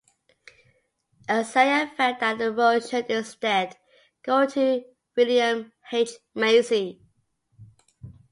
Azaria felt that the role should instead go to William H. Macy.